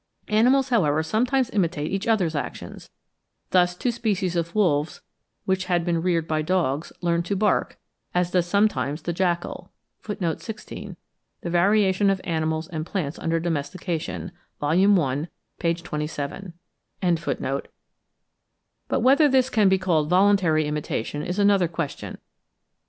Animals, however, sometimes imitate each other's actions: thus two species of wolves, which had been reared by dogs, learned to bark, as does sometimes the jackal (16. The 'Variation of Animals and Plants under Domestication,' vol. i. p. 27.), but whether this can be called voluntary imitation is another question.